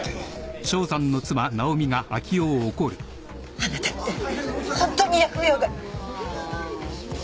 あなたってホントに疫病神！